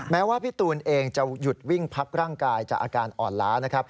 แม้ว่าพี่ตูนเองจะหยุดวิ่งพักร่างกายจากอาการอ่อนล้านะครับ